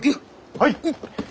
はい！